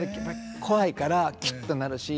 怖いからきゅっとなるし。